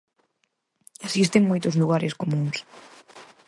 Existen moitos lugares comúns.